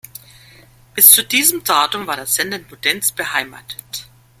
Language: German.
Bis zu diesem Datum war der Sender in Muttenz beheimatet.